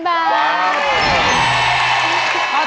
ว้าว